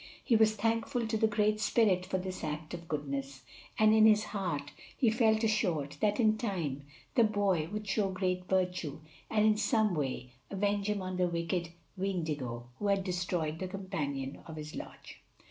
He was thankful to the Great Spirit for this act of goodness, and in his heart he felt assured that in time the boy would show great virtue and in some way avenge him on the wicked Weendigo who had destroyed the companion of his lodge.